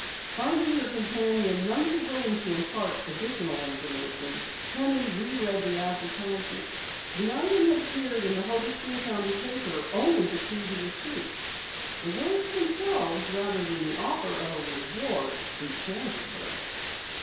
Finding her companion none too willing to impart additional information, Penny reread the advertisement. The item had appeared in the Hobostein County paper only the previous week. The words themselves rather than the offer of a reward enchanted her.